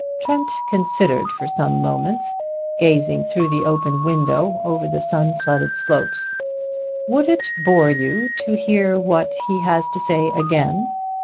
Trent considered for some moments, gazing through the open window over the sun flooded slopes. "Would it bore you to hear what he has to say again?"